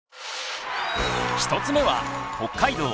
１つ目は北海道